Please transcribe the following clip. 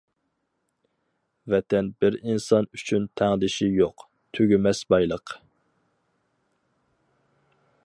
ۋەتەن بىر ئىنسان ئۈچۈن تەڭدىشى يوق، تۈگىمەس بايلىق.